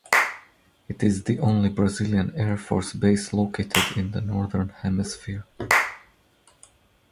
It is the only Brazilian Air Force Base located in the Northern Hemisphere.